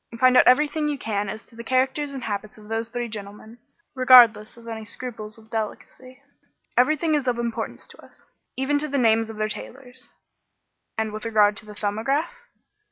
Find out everything you can as to the characters and habits of those three gentlemen, regardless of all scruples of delicacy. Everything is of importance to us, even to the names of their tailors." "And with regard to the 'Thumbograph'?"